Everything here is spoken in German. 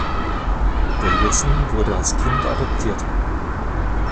Davidson wurde als Kind adoptiert.